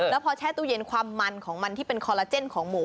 แล้วพอแช่ตู้เย็นความมันของมันที่เป็นคอลลาเจนของหมู